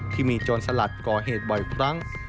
โจรสลัดก่อเหตุบ่อยครั้ง